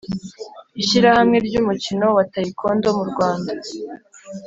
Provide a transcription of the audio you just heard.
Ishyirahamwe ry’Umukino wa tayikondo mu Rwanda